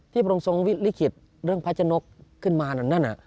ที่พระองค์ทรงวิธลิขิตเรื่องพระจนกขึ้นมานั่นนั่น